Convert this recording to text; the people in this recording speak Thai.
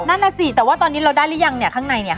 นั่นสิแต่ว่าตอนนี้เราได้รึยังเนี่ยข้างใน